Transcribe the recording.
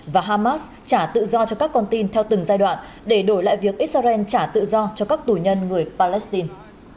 và hamas trả tự do cho các con tin theo từng giai đoạn để đổi lại việc israel trả tự do cho các tù nhân người palestine